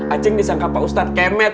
acing disangka pak ustadz kemet